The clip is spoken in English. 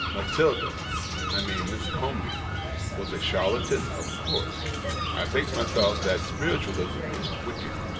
" Matilda — I mean Miss Comby — was a charlatan, of course. I think myself that spiritualism is wicked.